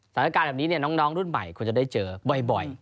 สถานการณ์แบบนี้น้องรุ่นใหม่ควรจะได้เจอบ่อย